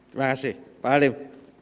terima kasih pak halim